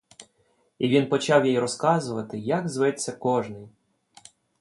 І він почав їй розказувати, як зветься кожний.